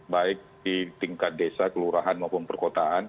baik di tingkat desa kelurahan maupun perkotaan